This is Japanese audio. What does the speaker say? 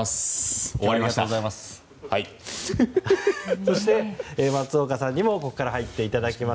そして松岡さんにもここから入っていただきます。